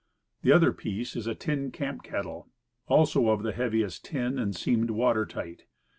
The other piece is a tin camp kettle, also of the heaviest tin, and seamed water tight.